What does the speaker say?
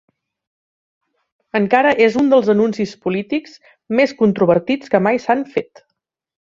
Encara és un dels anuncis polítics més controvertits que mai s'han fet.